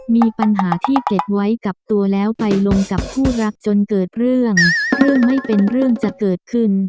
มีปัญหาที่เก็บไว้กับตัวแล้วไปลงกับคู่รักจนเกิดเรื่องเรื่องไม่เป็นเรื่องจะเกิดขึ้น